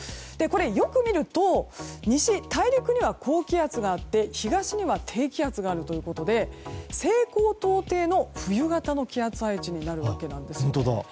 よく見ると西、大陸には高気圧があって東には低気圧があるということで西高東低の冬型の気圧配置になるんです。